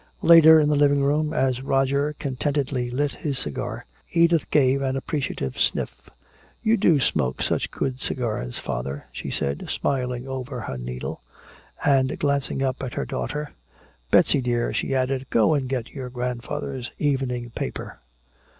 Later, in the living room, as Roger contentedly lit his cigar, Edith gave an appreciative sniff. "You do smoke such good cigars, father," she said, smiling over her needle. And glancing up at her daughter, "Betsy, dear," she added, "go and get your grandfather's evening paper."